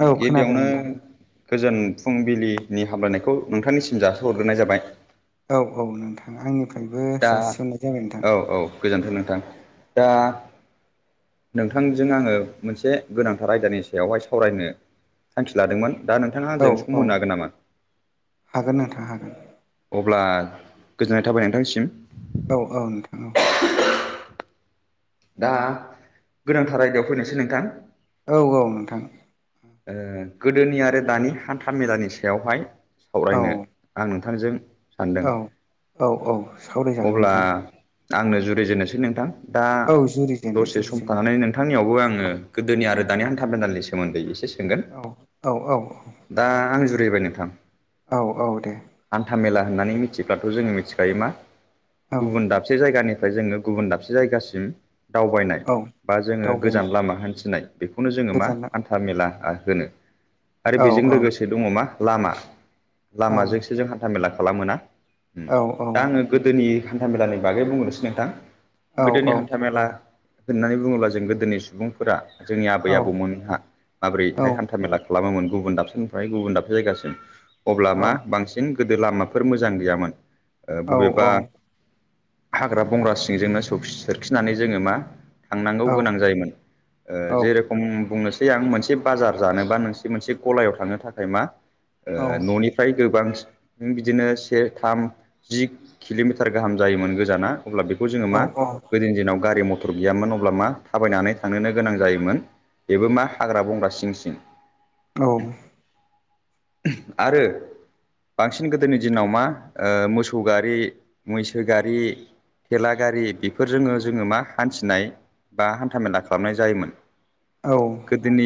औ खोनादों गिबियावनो नोंथां गोजोन फुंबिलिनि हामलायनायखौ नोंथांनिसिम जासिहरग्रोनाय जाबाय। औ औ नोंथाङा आंनि दा औ औ गोजोन्थों नोंथां। दा नोंथांजों आङो मोनसे गोनांथार आयदानि सायावहाय सावरायनो थांखि लादोंमोन। दा नोंथाङा औ आंजों सम औ होनो हागोन नामा? हागोन नोंथां हागोन अब्ला गोजोननाय थाबाय नोंथांसिम। औ औ नोंथां दा गोनांथार आयदायाव फैनोसै नोंथां। औ औ नोंथां। ओ गोदोनि आरो दानि हान्था मेलानि सायावहाय औ सावरायनो आं नों थांजों औ औ औ सावरायजागोन अब्ला नोंथां। आंनो जुरिजेननोसै नोंथां दा औ जुरिजेनदो दसे सम जुरिजेनदो थानानै नोंथांनियावबो आङो गोदोनि आरो दानि हान्था मेलानि सोमोन्दै एसे सोंगोन। औ औ औ दा आं जु रिबाय नोंथां। औ औ दे। नानै मिथिब्लाथ' जोङो मिथिखायो मा औ गुबुन दाबसे जायगानि मफ्राय जोङो गुबुन दाबसे जायगासिम। दावबायनाय औ बा जोङो गोजान दावबायनाय लामा हान्थिनाय बेखौनो जोङो मा गोजानाव हान्था मेला होनो आरो औ बेजों लोगोसे दङ मा लामा औ लामाजोंसो जों हान्था मेला खालामो ना‌? उम औ औ दा आङो गोदोनि हान्था मेलानि बागै बुंहरनोसै नोंथां। औ गोदोनि हान्था मेला होननानै बुङोब्ला जों गोदोनि सुबुंफोरा जोंनि आबै औ आबौमोनहा माबोरैहाय हान्था मेला खालामोमोन गुबुन दाबसेनिफ्राय गुबुन दाबसे जायगासिम अब्ला औ मा औ बांसिन गोदो लामाफोर मोजां गैयामोन ओ बबेबा हाग्रा बंग्रा सिंजोंनो सौ-सोरखिनानै जोङो मा थांनांगौ गोनां जायोमोन ओ जेरेखम बुंनोसै आं मोनसे से बाजार जानोबा नों मोनसे गलायाव थांनो थाखाय मा ओ न'निफ्राय गोबां ओम बिदिनो से थाम जि किल'मिटार गाहाम जायोमोन गोजाना। अब्ला बेखौ जोङो मा गोदोनि दिनाव गारि म थर गैयामोन अब्ला मा थाबायनानै थांनोनो गोनां जायोमोन बेबो मा हाग्रा बंग्रा सिं सिं। औ। आरो बांसिन गोदोनि दिनाव मा ओ मोसौ गारि मैसो गारि थेला गारि बेफोरजोंनो जोङो मा हान्थिनाय बा हान्थामेला खालामनाय जायोमोन। औ औ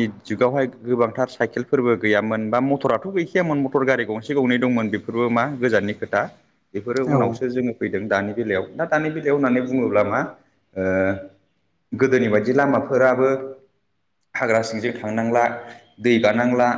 बेवहाय औ गोबांथार। साइकेलफोरबो गैयामोन बा मटराथ' गैखायामोन मटर गारि गंसे गंनै दंमोन बेफोरबो मा गोजाननि खोथा। बेफोरो औ उनावसो जोङो फैदों दानि बेलायाव दा दानि बेलायाव होननानै बुङोब्ला मा ओ गोदोनि बायदि लामाफोराबो हाग्रा सिंजों थांनांला दै गानांला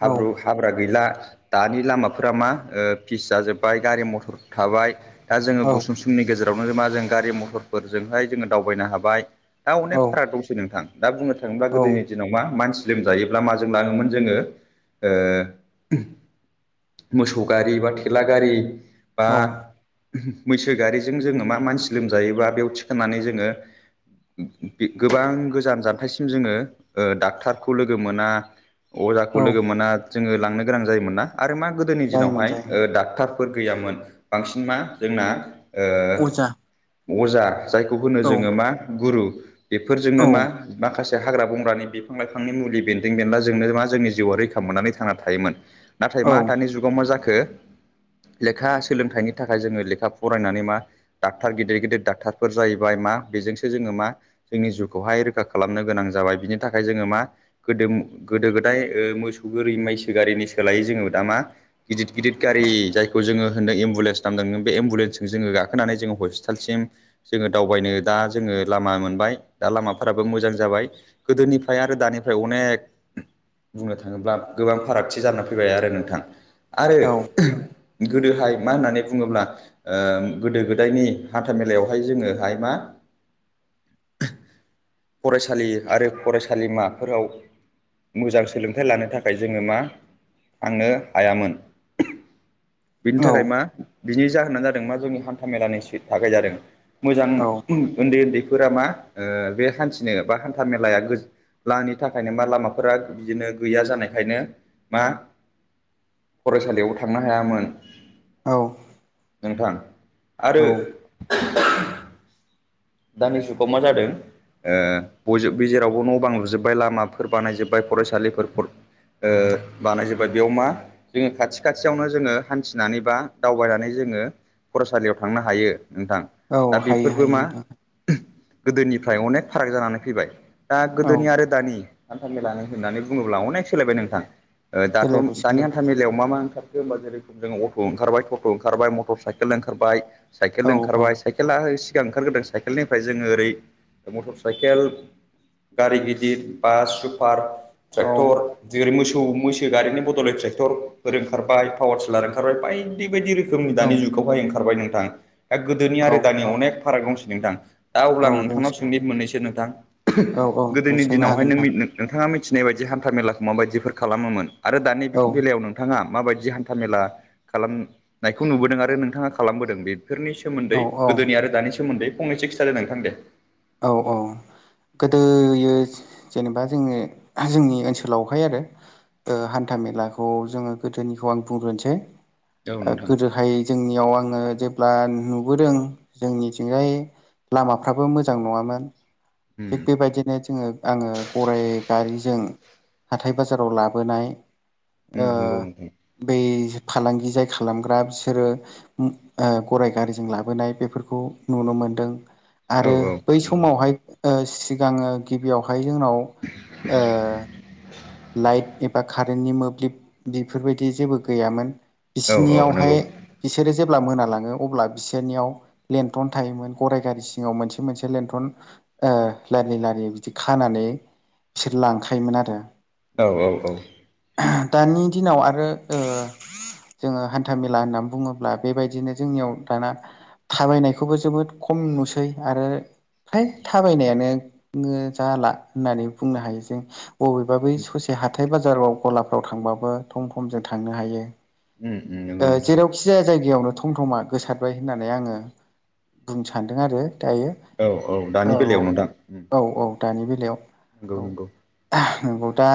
हाब्रु हाब्रा गैला। दानि लामाफोरा मा ओ फिस जाजोब्बाय गारि मथर थाबाय। दा जोङो गुसुं सुमनि गेजेरावनो मा जों गारि मथरफोरजोंहाय जोङो दावबायनो हाबाय। दा औ अनेक फाराग दंसै नोंथां दा बुंनो थाङोब्ला औ गोदोनि दिनाव मा मानसि लोमजायोब्ला माजों लाङोमोन जोङो ओ मोसौ गारि बा थेला गारि बा औ मैसो गारिजों जोङो मा मानसि लोमजायोबा बेयाव थिखांनानै जोङो गोबां गोजान जानथायसिम जोङो। ओ डाक्टारखौ लोगो मोना अजाखौ औ लोगो मोना जोङो लांनो गोनां जायोमोन ना आरो मा गोदोनि जायोमोन दिनावहाय जायोमोन ओ डाक्टरफोर गैयामोन बांसिन मा जोंना। अजा ओ अजा जायखौ होनो औ जोङो मा गुरु। औ बेफोरजोंनो मा माखासे हाग्रा बंग्रानि। बिफां लाइफांनि मुलि बेन्दों बेनला जोंनो मा जोंनि जिउआ रैखा मोननानै थांना थायोमोन। नाथाय औ मा दानि जुगाव मा जाखो। लेखा सोलोंथाइनि थाखाय जोङो लेखा फरायनानै मा डाक्टर गिदिर गिदिर डाक्टरफोर जाहैबाय मा आ बेजोंसो जोङो मा जोंनि जिउखौहाय रैखा खालामनो गोनां जाबाय बिनि थाखाय जोङो मा गोदोम गोदो गोदाय ओ मोसौ गोरि मैसो गिनि सोलायै जोङो दा मा गिदिर गिदिर गारि जायखौ जोङो होनदों एबुलेन्स नामदोंमोन बे एम्बुलेन्सखो जोङो गाखोनानै जोङो हस्पिटाल सिम जोङो दावबायनो दा जोङो लामा मोनबाय दा लामाफोराबो मोजां जाबाय। गोदोनिफ्राय आरो दानिफ्राय अनेक बुंनो थाङोब्ला गोबां फारागथि जानानै फैबाय आरो नोंथां आरो औ ओम गोदोहाय मा होननानै बुङोब्ला ओ गोदो गोदायनि हाथाामेलायावहाय जोङोहाय मा फरायसालि आरो फरायसालिमाफोराव मोजां सोलोंथाइ लानो थाखाय जोङो मा थांनो हायामोन। बिनि थाखाय मा बिनि जाहोनानो जादों मा जोंनि हान्था मेलानि सि थाखाय जादों। मोजां औ ओ ओन्दै ओन्दैफोरा मा ओ बे हान्थिनो बा हा हान्था मेलाया गो लानि थाखायनो मा लामाफोरा बिदिनो गैया जानायखायनो मा फरायसालियाव थांनो हायामोन। औ नोंथां आरो औ दानि जुगाव मा जादों ओ बय जेरावबो न' बां लुजोबबाय लामाफोर बानायजोब्बाय फरायसालिफोर फर ओ बानायजोब्बाय बेयाव मा जोङो खाथि खाथियावनो जोङो हान्थिनानै बा दावबायनानै जों जोङो फरायसालियाव थांनो हायो नोंथां दा हायो बेफोरबो हायो मा नोंथां गोदोनिफ्राय अनेक फाराग जानानै फैबाय दा औ गोदोनि आरो दानि हान्था मेलानो होननानै बुङोब्ला अनेख सोलायबाय नोंथां ओ दाथ' सोलायबाय दानि सोलायबाय हान्था मेलायाव मा मा ओंखार खो होनोबा जेरै जोङो अट' ओंखारबाय टट' ओंखारबाय मटर साइकेल ओंखारबाय। औ साइकेल औ ओंखारबाय साइकेला सिगां ओंखारगोरदों साइकेलनिफ्राय जोङो ओरै मटर साइकेल गारि गिदिर बास सुपार औ ट्रेक्टर बिदिनो मो मोसौ मैसो गारिनि बदलै ट्रेक्टरफोर ओंखारबाय पावार टिलार ओंखारबाय बायदि बायदि रो खोमनि दानि जुगावहाय ओंखारबाय नोंथां दा गोदोनि औ आरो दानि औ अनेक फाराग दंसै नोंथां दा अब्ला औ आं नोंथांनाव दंसै सोंनि मोननैसो नोंथां औ औ गोदोनि सोंनो दिनावहाय हागोन नों नोंथां मि नोंथाङा मि मिथिनाय बायदि हान्था मेलाखौ माबायदिफोर खालामोमोन आरो दानि बे औ बेलायाव नोंथाङा माबायदि हान्था मेला खालाम नायखौ नुबोदों आरो नोंथाङा खालामबोदों बे फोरनि औ सोमोन्दै औ गोदोनि आरो दानि सोमोन्दै फंनैसो खिथादो नोंथां दे औ औ गोदोयो जेनेबा जोङो जोंनि ओनसोलावहाय आरो ओ हान्था मेलाखौ जोङो गोदोनिखौ आं बुंग्रोनिसै औ ओ नोंथां गोदोहाय जोंनियाव आङो जेब्ला नुबोदों जोंनिथिंजाय लामाफ्राबो मोजां नङामोन उम थिग बेबायदिनो जोङो आङो गराय गारिजों हाथाय बाजाराव लाबोनाय ओम ओ नंगौ नोंथां। बै फालांगि जाय खालामग्रा बिसोरो उ ओ गराय गारिजों लाबोनाय बेफोर फोरखौ नुनो मोनदों औ आरो औ बै नंगौ समावहाय ओ सिगाङो गिबियावहाय जोंनाव ओ लाइट एबा कारेन्टनि मोब्लिब बेफोरबायदि जेबो गैयामोन। औ औ नंगौ बिसिनियावहाय बि सोरो जेब्ला मोनालाङो अब्ला बिसोरनियाव लेन्थन थायोमोन गराइ गारि सिङाव मोनसे मोनसे लेन्थन ओ लारि लारि बिदि खानानै बिसोर लांखायोमोन आरो औ औ औ दानि दिनाव आरो ओ जोङो हान्था मेला होनना बुङोब्ला बेबायदिनो जोंनियाव दाना थाबायनायखौबो जोबोद खम नुसै आरो फ्राय थाबायनायानो ओ जाला होननानै बुंनो हायो जों बबेबा बै ससे हाथाय बाजाराव गलाफ्राव थांबाबो थम थमजों थांनो हायो। उम उम ओ नंगौ नोंथां जेरावखि जाया जायगायावनो थम थमा गोसारबाय होननानै आङो बुं सान्दों आरो दायो औ दानि औ बेलायाव नोंथां उम औ औ औ दानि बेलायाव नंगौ औ नंगौ नंगौ दा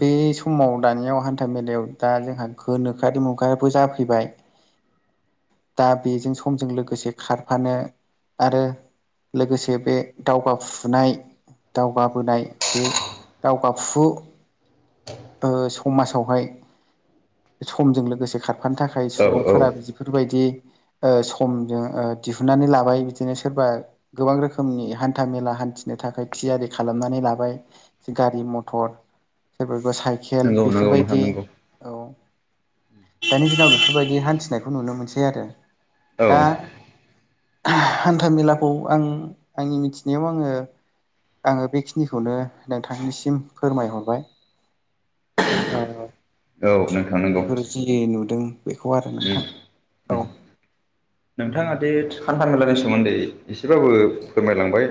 बे समाव दानियाव हान्था मेलायाव दा जोंहा गोनोखोरि मुं गायाबो जाफैबाय। दा बेजों समजों लोगोसे खारफानो आरो लोगोसे बे दावगाफुनाय दावगाबोनाय बे दावगाफुु [inaudible] समाजावहाय समजों लोगोसे खारफानो थाखाय औ औ सुबुंफोरा बेफोरबायदि ओ समजों दिहुननानै लाबाय बिदिनो सोरबा गोबां रोखोमनि हान्था मेला हान्थिनो थाखाय थियारि खालामनानै लाबाय गारि मथर सोर बा साइकेल नंगौ नंगौ नोंथां बेफोरबायदि नंगौ औ दानि दिनाव बेफोरबायदि हान्थिनायखौ नुनो मोनसै आरो औ दा हान्था मेलाखौ आं आंनि मिथिनायाव आङो आङो बेखिनिखौनो नोंथांनिसिम फोरमायहरबाय। ओ औ नोंथां नंगौ। बेफोर जि नुदों बेखौ आरो उम नोंथां उम औ। नोंथाङा दि खान्था मेलानि सोमोन्दै एसेबाबो फोरमायलांबाय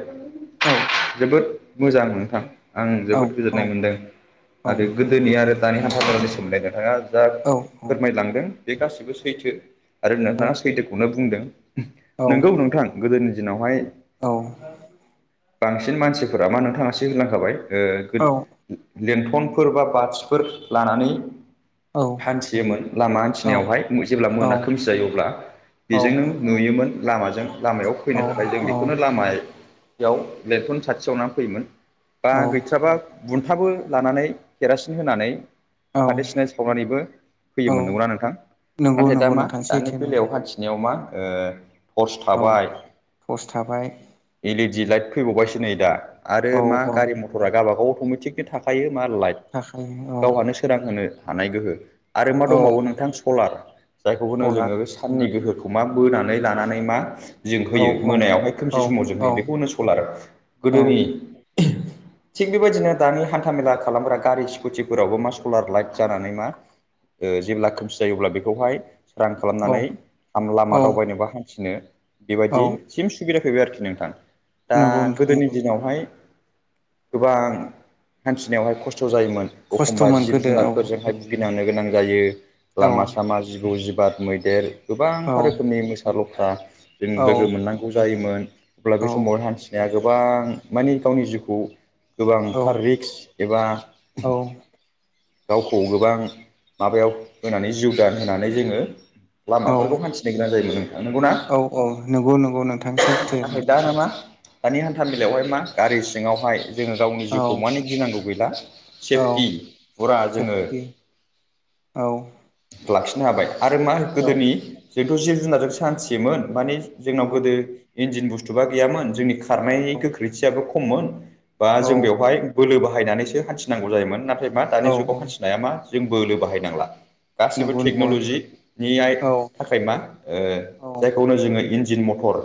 औ जोबोद मोजां नोंथां आं औ जोबोद गोजोननाय मोनदों औ आरो गोदोनि आरो दानि हान्थामेलानि सोमोन्दै नोंथाङा जा औ फोरमायलांदों बे गासिबो सैथो। आरो नोंथाङा सैथोखौनो बुंदों औ नोंगौ नोंथां गोदोनि दिनावहाय औ बांसिन मानसिफोरा मा नोंथाङासो होलांखाबाय ओ औ लन्थनफोर बा बाथिफोर लानानै हान्थियोमोन लामा हान्थिनायावहाय जेब्ला मोना खोमसि जायो अब्ला औ बेजों नों नुयोमोन लामाजों लामायाव फैनो थाखाय जों बेखौनो लामाय बेयाव लेनटन साथिसावनानै फैयोमोन दा औ गैथ्राबा बुन्थाबो लानानै केरासिन होनानै फाथै सिना सावनानैबो फैयो मोन नंगौना नोंथां नंगौ नाथाय दा नंगौ मा नोंथां दानि सैथो बेलायाव नंगौ हान्थिनायाव मा ओ तरस औ थाबाय टर्स थाबाय इलिदि लाइट फैबाव दिनै दा आरो औ मा औ गारि मथरा गावाबागाव अटमेटिकलि थाखायो। मा लाइट थाखायो औ गावहानो सोरां होनोनो हानाय गोहो आरो मा औ दंबावो नोंथां सलार जायखौ होनो सलार जोङो बे साननि गोहोखौ मा बोनानै लानानै मा जों औ होयो मोनायावहाय औ खोमसि समाव जों औ होयो बेखौ‌ होनो सलार आरो औ गोदोनि [inaudible] थिग बेबायदिनो दानि हान्था मेला खालामग्रा गारि स्कुटिफोरावबो मा सलार लाइट जानानै मा ओ जेब्ला खोमसि जायो अब्ला बेखौहाय सोरां औ खालामनानै औ लामा दावबायनो हान्थिनो औ बेबायदि सिम सुबिदा फैबाय आरोखि नोंथां दा नंगौ नोंथां गोदोनि नंगौ दिनावहाय गोबां हान्थिनायावहाय खस्थ जायोमोन एखम्बा खस्थ'मोन जिब गोदो औ जुनारफोरजोंहाय भुगिनांनो गोनां जायो औ लामा सामा जिबौ जिब बिबाद मैदेर औ गोबांथार रोखोमनि मोसा लख्रा जों औ लोगो मोननांगौ जायोमोन। अब्ला औ बे समाव हान्थिनाया गोबां माने गावनि जिउखौ गोबांथार रिक्स एबा औ गावखौ गोबां माबायाव होनानै जिउ दान होनानै जोङो। औ लामाफोरखौ हान्थिनो गोनां जायो नो नंगौना औ औ नंगौ नंगौ नोंथां सैथो [unintelligible] नोंथां सैथो थामिलायावहाय मा गारि सिङावहाय जोङो गावनि औ जिउखौ मानि गिनांगौ गैला औ सेफटि फुरा जोङो सेफटि औ लाखिनो हाबाय आरो मा औ गोदोनि जोंथ जिब जुनारजोंसो हान्थियोमोन माने जोंनाव गोदो इन्जिन बुस्थुबा गैयामोन जोंनि खारनाय औ गोख्रैथियाबो खममोन बा जों बेयावहाय बोलो बाहायनानैसो हान्थिनांगौ जायोमोन ना मा औ दानि जुगाव हान्थिनाया मा जों बोलो बाहायनांला गासैबो नंगौ नंगौ टेक्न'ल'जि नियाय औ थाखाय मा ओ औ जायखौनो जोङो इन्जिन मथर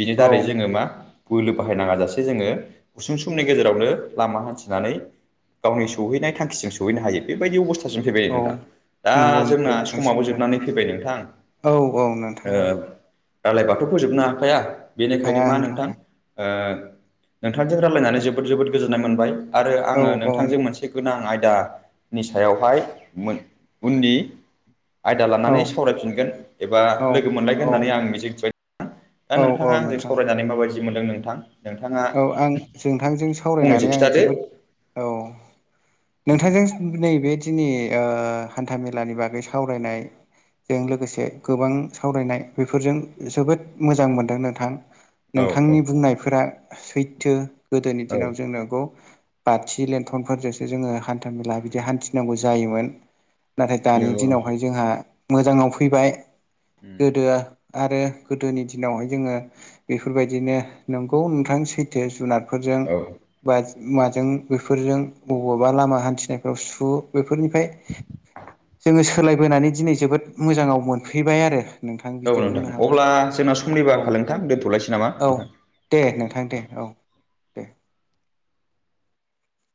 बिनि औ दारै जोङो मा बोलो बाहायनाङा जाासे जोङो गुसुं समनि गेजेरावनो लामा हान्थिनानै गावनि सौहैनाय थांखिजों सहैनो हायो बेबायदि अबस्था जाफैबाय आरो औ नोंथां दा नंगौ नंगौ जोंना नोंथां समाबो सैथो जोबनानै फैबाय नोंथां। औ नोंथां औ रायलायबाथ' फोजोबनो हाखाया बेनिखायनो हाया मा नोंथां हाया ओ नोंथांजों रायलायनानै जोबोद जोबोद गोजोन्नाय मोनबाय आरो औ आङो औ नोंथांजों मोनसे गोनां आय दा नि सायावहाय मोन उननि आय दा लानानै औ सावरायफिनगोन एबा लोगो मोनलायगोन औ होननानै आं मिजिंथिबाय दा औ औ नोंथाङा आंजों नोंथां सावरायनानै माबायदि मोनदों नोंथां? नोंथाङा औ आं जोंथांजों फंनैसो सावरायनानै आङो खिथादो जोबोद औ नोंथांजों नै बे दिनि ओ हान्था-मेलानि बागै सावरायनाय जों लोगोसे गोबां सावरायनाय बेफोरजों जोबोद मोजां मोनदों नोंथां। औ औ नोंथांनि बुंनायफोरा सैथो गोदोनि औ दिनाव जों नोंगौ। बाथि लेथनफोरजोंसो जोङो हान्था-मेला बिदि हान्थिनांगौ जायोमोन। नाथाय दानि नंगौ नोंथां दिनावहाय जोंहा मोजाङाव फैबाय गोदो आरो गोदोनि दिनावहाय जोङो बेफोरबायदिनो नंगौ नोंथां सैथो जुनार फोरजों औ बा माजों बेफोरजों ब'बावबा लामा हान्थिनायफ्राव सु बेफोरनिफ्राय जोङो सोलायबोनानै दिनै जोबोद मोजाङाव मोनफैबाय आरो नोंथां औ बिदि नोंथां बुंनो हागोन अब्ला जोंना समनिबो औ आंखाल नोंथां दोनथ'लायसै नामा औ नोंथां दे नोंथां नोंथां दे औ दे